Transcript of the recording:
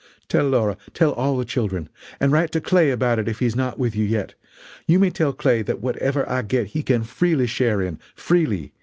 Tell Laura tell all the children. And write to Clay about it if he is not with you yet. You may tell Clay that whatever I get he can freely share in freely.